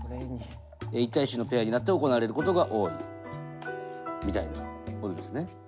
１対１のペアになって行われることが多いみたいなことですね。